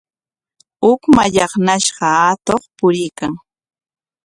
Huk mallaqnashqa atuq puriykan.